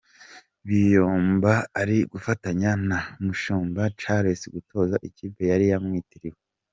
Biyombo ari gufatanya na Mushumba Charles gutoza ikipe yari yamwitiriwe.